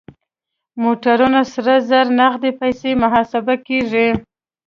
موټرونه سره زر نغدې پيسې محاسبه کېږي.